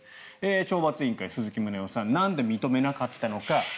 懲罰委員会、鈴木宗男さんなんで認めなかったのか。